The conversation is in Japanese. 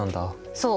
そう。